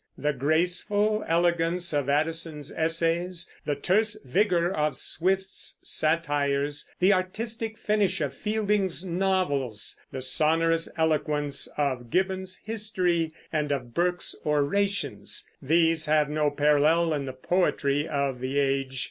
The graceful elegance of Addison's essays, the terse vigor of Swift's satires, the artistic finish of Fielding's novels, the sonorous eloquence of Gibbon's history and of Burke's orations, these have no parallel in the poetry of the age.